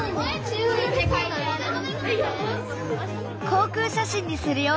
航空写真にするよ！